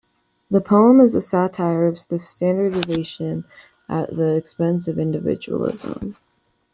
The poem is a satire of standardization at the expense of individualism.